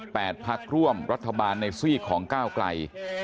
พักร่วมรัฐบาลในซีกของก้าวไกล